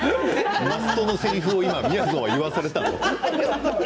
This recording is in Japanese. マストのせりふをみやぞんが言わされたの？